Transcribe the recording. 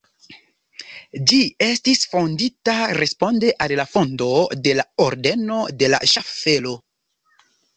Ĝi estis fondita responde al la fondo de la ordeno de la ŝaffelo.